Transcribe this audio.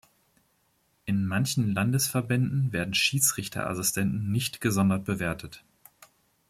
In manchen Landesverbänden werden Schiedsrichterassistenten nicht gesondert bewertet.